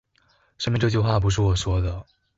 上面這句話不是我說的